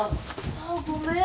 ああごめん。